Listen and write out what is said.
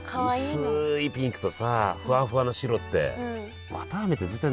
薄いピンクとさフワフワの白って。